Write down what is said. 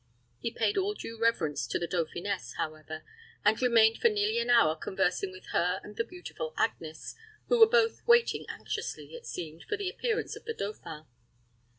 He paid all due reverence to the dauphiness, however, and remained for nearly an hour conversing with her and the beautiful Agnes, who were both waiting anxiously, it seemed, for the appearance of the dauphin.